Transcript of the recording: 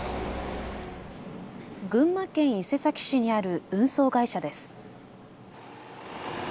群馬県伊勢崎市にある運送会社です。